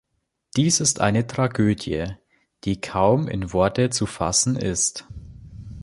Dies ist eine Tragödie, die kaum in Worte zu fassen ist.